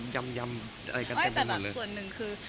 แต่แบบส่วนหนึ่งคือ